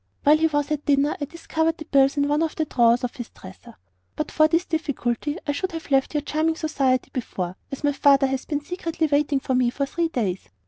While he was at dinner I discovered the bills in one of the drawers of his dresser. "But for this difficulty I should have left your charming society before, as my father has been secretly waiting for me for three days.